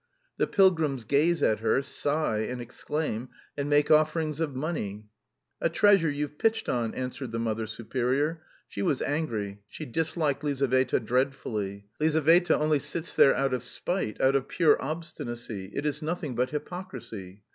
The pilgrims gaze at her, sigh and exclaim, and make offerings of money. 'A treasure you've pitched on,' answered the Mother Superior (she was angry, she disliked Lizaveta dreadfully) 'Lizaveta only sits there out of spite, out of pure obstinacy, it is nothing but hypocrisy.'